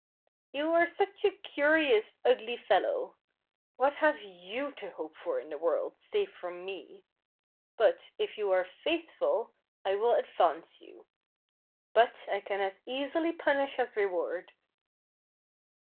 "You are such a curious, ugly fellow. What have you to hope for in the world, save from me? But, if you are faithful, I will advance you. But I can as easily punish as reward."